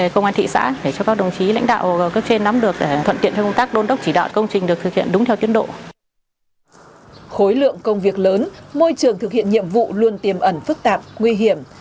khối lượng công việc lớn môi trường thực hiện nhiệm vụ luôn tiềm ẩn phức tạp nguy hiểm